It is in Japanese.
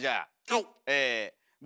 はい。